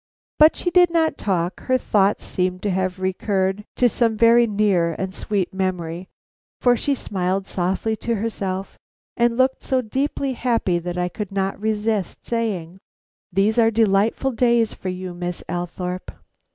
But she did not talk. Her thoughts seemed to have recurred to some very near and sweet memory, for she smiled softly to herself and looked so deeply happy that I could not resist saying: "These are delightful days for you, Miss Althorpe."